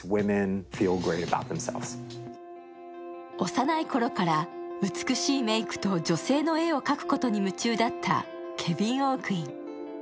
幼いころから美しいメイクと女性の絵を描くことに夢中だったケヴィン・オークイン。